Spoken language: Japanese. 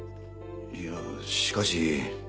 いやしかし。